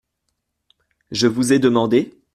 Je vous ai demandé ?